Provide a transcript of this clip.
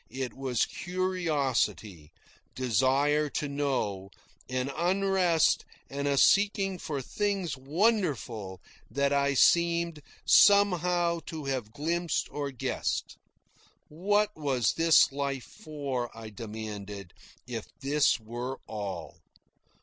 It was curiosity, desire to know, an unrest and a seeking for things wonderful that I seemed somehow to have glimpsed or guessed. What was this life for, I demanded, if this were all?